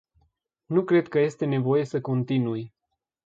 Nu cred că este nevoie să continui.